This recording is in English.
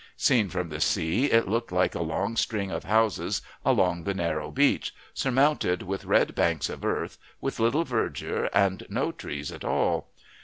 Seen from the sea, it looked like a long string of houses along the narrow beach, surmounted with red banks of earth, with little verdure, and no trees at all.